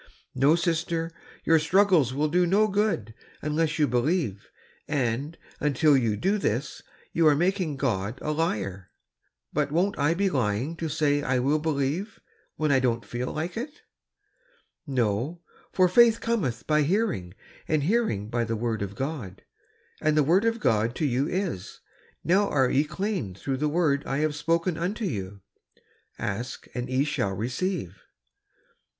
'^ "No, sister, your struggles will do no good unless you believe; and, until you do this, you are making God a liar.'' "But won't I be lying to say I will believe, when I dcMi't feel like it?" "No, 'for faith cometh by hearing and hearing by the word of God ;' and the word of God to you is, 'Now are ye clean through the word I have spoken unto you.' 'Ask and ye shall receive."